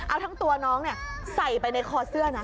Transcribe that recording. เอาทั้งตัวน้องใส่ไปในคอเสื้อนะ